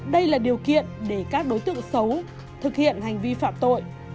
đây là điều kiện để các đối tượng xấu thực hiện hành vi phạm tội